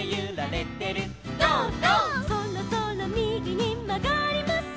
「そろそろみぎにまがります」